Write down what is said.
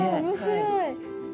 おもしろい。